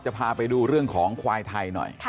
พาไปดูเรื่องของควายไทยหน่อย